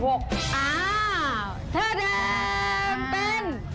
เป็นเตียกอูน